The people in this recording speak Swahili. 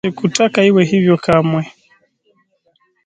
Sikutaka iwe hivyo kamwe